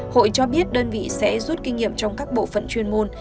hội cho biết đơn vị sẽ rút kinh nghiệm trong các bộ phận chuyên môn